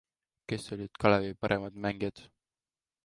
Kes olid Kalevi paremad mängijad?